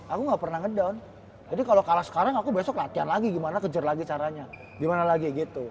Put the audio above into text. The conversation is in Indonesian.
aku nggak pernah ngedown jadi kalau kalah sekarang aku besok latihan lagi gimana kejar lagi caranya gimana lagi gitu